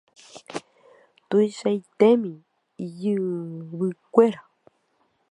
Tuichaitémi ijyvykuéra.